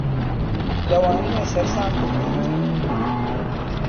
لەوانەیە سەرمام بووبێت.